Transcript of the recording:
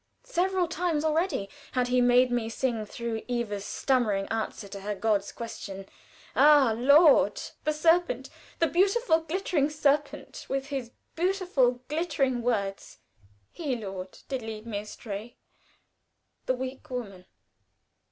Several times already had he made me sing through Eva's stammering answer to her God's question: "Ah, Lord!... The Serpent! The beautiful, glittering Serpent, With his beautiful, glittering words, He, Lord, did lead astray The weak Woman!"